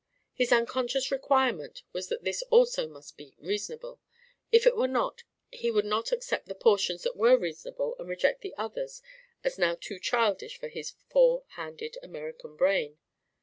His unconscious requirement was that this also must be reasonable; if it were not, he would accept the portions that were reasonable and reject the others as now too childish for his fore handed American brain.